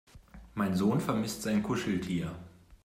Mein Sohn vermisst sein Kuscheltier.